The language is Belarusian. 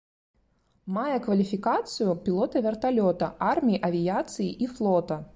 Мае кваліфікацыю пілота верталёта арміі авіяцыі і флота.